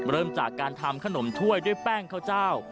เริ่มจากการทำขนมถ้วยด้วยแป้งข้าวเจ้า